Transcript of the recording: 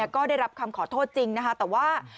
ก็ได้รับคำขอโทษจริงนะคะแต่ว่า